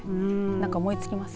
何か思いつきます。